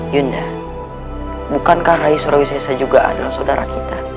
yunda bukankah rai surawijayasa juga adalah saudara kita